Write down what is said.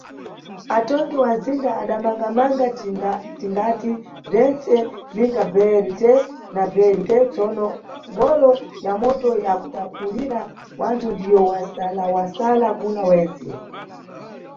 Atongi wa nzinda adamangamanga tingati bzwentse, ninga BRT na VLT, tsono ngolo ya moto ya kutakulira wanthu ndiyo wasalawasala kuna wentse.